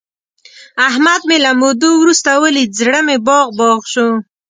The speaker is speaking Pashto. احمد مې له مودو ورسته ولید، زړه مې باغ باغ شو.